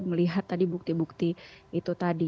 melihat tadi bukti bukti itu tadi